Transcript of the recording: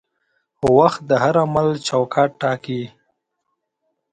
وخت د هر عمل چوکاټ ټاکي.